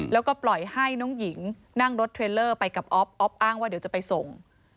แล้วก็ปล่อยให้น้องหญิงนั่งรถเทรลเลอร์ไปกับอ๊อฟออฟอ้างว่าเดี๋ยวจะไปส่ง